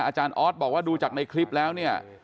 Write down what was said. อาจารย์ออสบอกว่าดูจากในคลิปแล้วเนี่ย